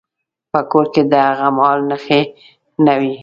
په کور کې د هغه مهال نښې نه وې.